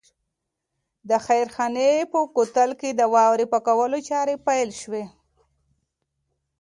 د خیرخانې په کوتل کې د واورې پاکولو چارې پیل شوې.